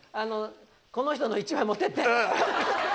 この人の１枚持ってって。